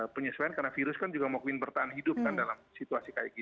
penyesuaian karena virus kan juga mungkin bertahan hidup kan dalam situasi kayak gini